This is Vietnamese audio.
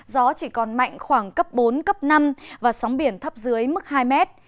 gió chỉ còn mạnh khoảng cấp bốn cấp năm và sóng biển thấp dưới mức hai mét